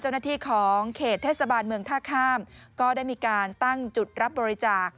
เจ้าหน้าที่ของเขตเทศบาลเมืองท่าข้ามก็ได้มีการตั้งจุดรับบริจาค